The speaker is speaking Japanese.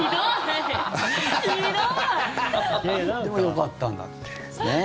でも、よかったんだって。